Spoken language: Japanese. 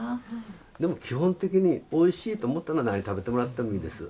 でも基本的においしいと思ったら何食べてもらってもいいです。